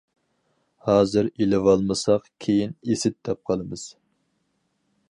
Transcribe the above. ھازىر ئېلىۋالمىساق، كېيىن ئىسىت دەپ قالىمىز.